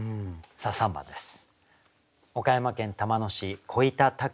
さあ３番です。